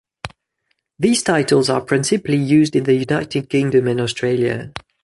These titles are principally used in the United Kingdom and Australia.